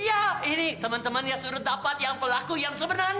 ya ini teman teman yang suruh dapat yang pelaku yang sebenarnya